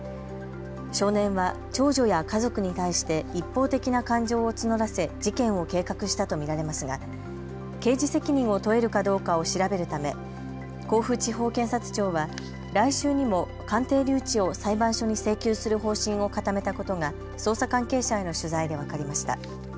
少年は長女や家族に対して一方的な感情を募らせ事件を計画したと見られますが刑事責任を問えるかどうかを調べるため甲府地方検察庁は来週にも鑑定留置を裁判所に請求する方針を固めたことが捜査関係者への取材で分かりました。